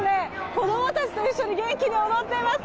子供たちと一緒に元気に踊っています！